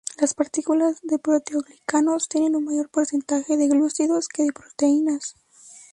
Las partículas de proteoglicanos tienen un mayor porcentaje de glúcidos que de proteínas.